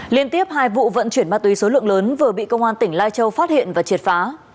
liên tiếp hai vụ vận chuyển ma túy số lượng lớn vừa bị công an tỉnh lai châu phát hiện và triệt phá